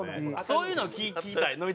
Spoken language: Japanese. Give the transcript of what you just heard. そういうのを聞きたい。